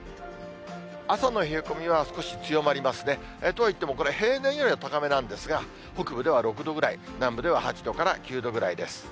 朝の冷え込みは少し強まりますね。とはいっても、これは平年より高めなんですが、北部では６度ぐらい、南部では８度から９度ぐらいです。